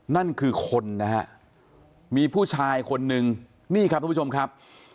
นั่นคือคนนะฮะมีผู้ชายคนนึงนี่ครับทุกผู้ชมครับ